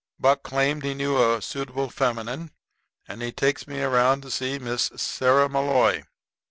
Buck claimed he knew a suitable feminine and he takes me around to see Miss Sarah Malloy.